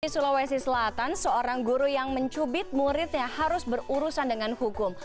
di sulawesi selatan seorang guru yang mencubit muridnya harus berurusan dengan hukum